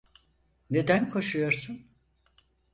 Neden koşuyorsun?